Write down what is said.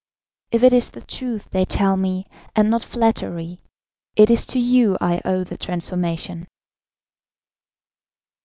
If it is the truth they tell me, and not flattery, it is to you I owe the transformation."